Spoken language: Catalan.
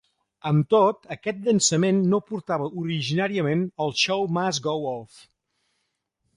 Amb tot, aquest llançament no portava originàriament el Show Must Go Off!